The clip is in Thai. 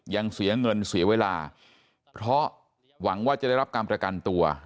ยังเสียเงินเสียเวลาเพราะหวังว่าจะได้รับการประกันตัว